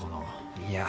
いや。